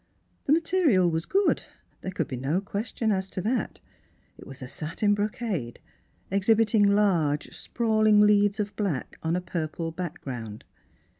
The material was good ; there could be no question as to that. It was a satin brocade, exhibiting large, sprawling leaves of black on a pur ple background.